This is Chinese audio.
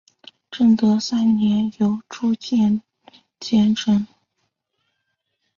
正德三年由朱鉴接任。